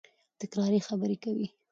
تکراري خبري کوي.